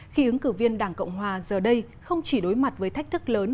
khi ứng cử viên đảng cộng hòa giờ đây không chỉ đối mặt với thách thức lớn